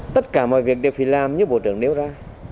tất cả mọi việc đều phải làm như bộ trưởng nêu ra